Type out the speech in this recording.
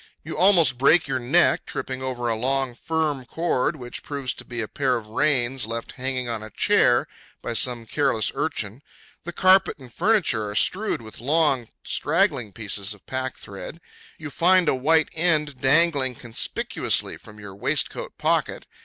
You almost break your neck tripping over a long, firm cord, which proves to be a pair of reins left hanging on a chair by some careless urchin. The carpet and furniture are strewed with long, straggling pieces of packthread. You find a white end dangling conspicuously from your waistcoat pocket.